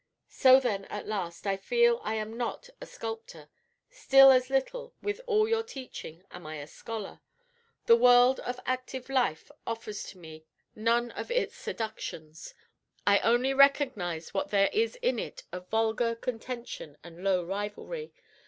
So then, at last, I feel I am not a sculptor; still as little, with all your teaching, am I a scholar. The world of active life offers to me none of its seductions; I only recognize what there is in it of vulgar contention and low rivalry.